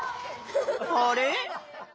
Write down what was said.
あれ？